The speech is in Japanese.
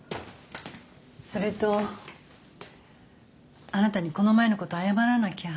それとあなたにこの前のこと謝らなきゃ。